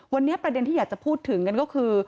วันนี้ประเด็นที่อยากจะพูดถึงกันก็คือ